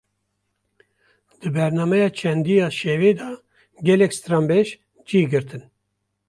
Di bernameya çandî ya şevê de gelek stranbêj cih girtin